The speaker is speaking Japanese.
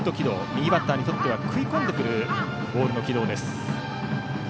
右バッターにとっては食い込んでくるボールの軌道です。